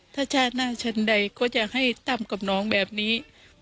ถ้าชาติหน้าชั้นใดก็จะให้ตั้มกับน้องแบบนี้